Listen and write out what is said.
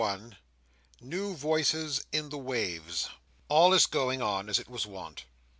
New Voices in the Waves All is going on as it was wont.